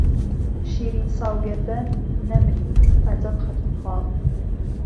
شیرینسا و گهردهن، نهمری، عهجهب خهت و خاڵ